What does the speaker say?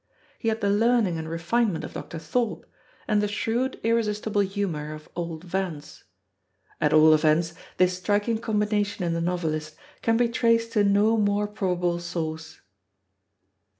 He had the learning and refinement of Dr. Thorpe, and the shrewd, irresistible humour of old Vance. At all events, this striking combination in the novelist can be traced to no more probable source.